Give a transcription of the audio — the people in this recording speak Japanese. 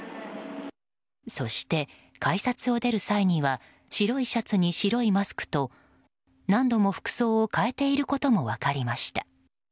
そして、改札を出る際には白いシャツに白いマスクと何度も服装を替えていたことも分かりました。